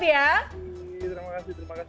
terima kasih terima kasih